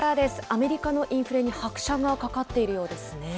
アメリカのインフレに拍車がかかっているようですね。